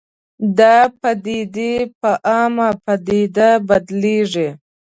دا پدیدې په عامه پدیده بدلېږي